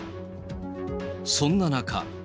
そんな中。